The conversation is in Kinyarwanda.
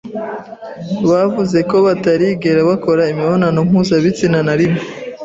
bavuze ko batarigera bakora imibonano mpuzabitsina na rimwe